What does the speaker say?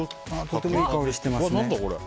とてもいい香りがしていますね。